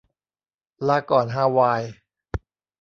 ลาก่อนฮาวาย